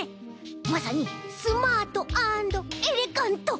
まさにスマートアンドエレガント！